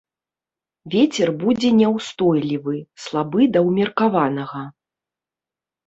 Вецер будзе няўстойлівы, слабы да ўмеркаванага.